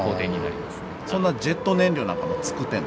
そんなジェット燃料なんかもつくってんの？